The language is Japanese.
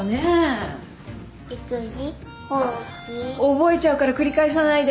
覚えちゃうから繰り返さないで。